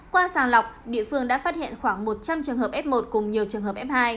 qua sàng lọc địa phương đã phát hiện khoảng một trăm linh trường hợp f một cùng nhiều trường hợp f hai